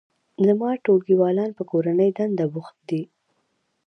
زما ټولګیوالان په کورنۍ دنده بوخت دي